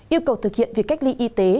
yêu cầu thực hiện việc cách ly y tế